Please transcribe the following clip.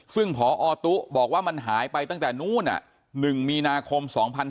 ซึ่งพอตุ๊บอกว่ามันหายไปตั้งแต่นู้น๑มีนาคม๒๕๕๙